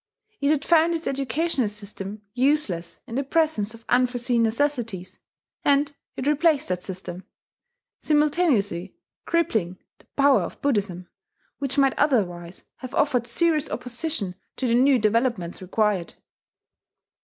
It had found its educational system useless in the presence of unforeseen necessities; and it replaced that system, simultaneously crippling the power of Buddhism, which might otherwise have offered serious opposition to the new developments required.